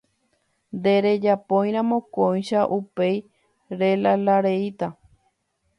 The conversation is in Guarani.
Nderejapóiramo kóicha upéi relalareíta.